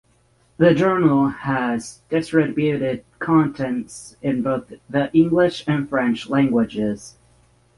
The journal has distributed contents in both the English and French languages.